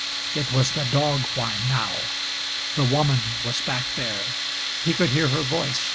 It was the dog whine now. The woman was back there. He could hear her voice.